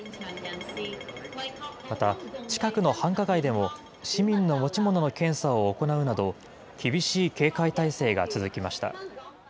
また、近くの繁華街でも、市民の持ち物の検査を行うなど、厳しい警戒態勢が続きました。